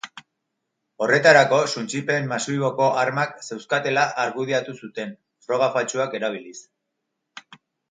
Horretarako, suntsipen masiboko armak zeuzkatela argudiatu zuten, froga faltsuak erabiliz.